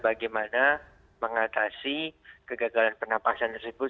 bagaimana mengatasi kegagalan penapasan tersebut